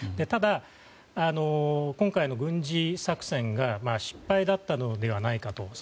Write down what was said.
ただ、今回の軍事作戦が失敗だったのではないかと。